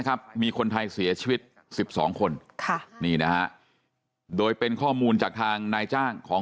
ครับมีคนไทยเสียชีวิต๑๒คนค่ะนี่นะฮะโดยเป็นข้อมูลจากทางนายจ้างของ